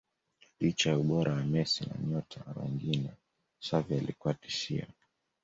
Licha ya ubora wa Messi na nyota wengine Xavi alikuwa tishio